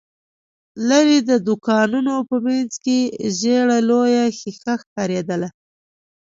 ليرې، د دوکانونو په مينځ کې ژېړه لويه ښيښه ښکارېدله.